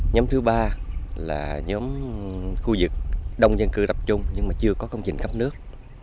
nhóm thứ ba là nhóm khu vực đông dân cư đập trung nhưng chưa có công trình cấp nước